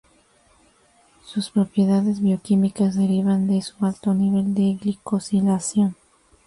Sus propiedades bioquímicas derivan de su alto nivel de glicosilación.